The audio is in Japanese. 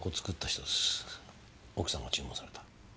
奥さんが注文された。